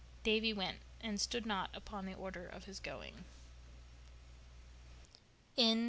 Davy went, and stood not upon the order of his going.